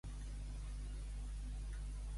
De quina forma li pagarà?